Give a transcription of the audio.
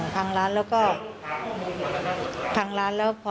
พังร้านแล้วก็พังร้านแล้วก็